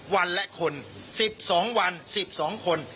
วันละคน๑๒วัน๑๒คน